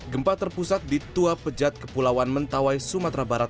gempa terpusat di tua pejat kepulauan mentawai sumatera barat